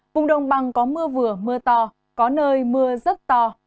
vùng đồng bằng có mưa vừa mưa to có nơi mưa rất to